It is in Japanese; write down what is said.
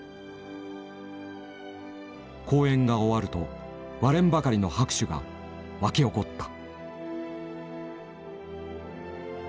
講演が終わると割れんばかりの拍手がわき起こった。